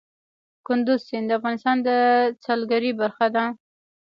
کندز سیند د افغانستان د سیلګرۍ برخه ده.